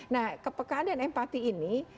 nah kepekaan dan empati ini